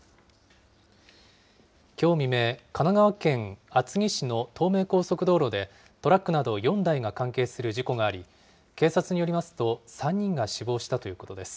きょう未明、神奈川県厚木市の東名高速道路で、トラックなど４台が関係する事故があり、警察によりますと、３人が死亡したということです。